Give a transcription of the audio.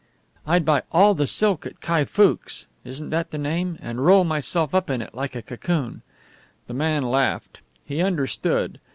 "I'd buy all the silk at Kai Fook's isn't that the name? and roll myself up in it like a cocoon." The man laughed. He understood.